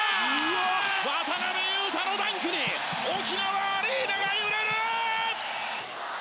渡邊雄太のダンクに沖縄アリーナが揺れる！